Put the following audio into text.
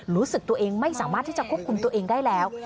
รู้สึกตัวเองไม่สามารถที่จะควบคุมตัวเองได้แล้ว